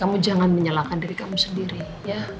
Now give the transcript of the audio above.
kamu jangan menyalahkan diri kami sendiri ya